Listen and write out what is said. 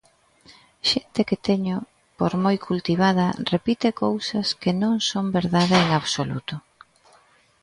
Xente que teño por moi cultivada repite cousas que non son verdade en absoluto.